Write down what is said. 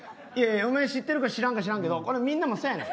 おまえ知ってるか知らんけどみんなもそうやねん。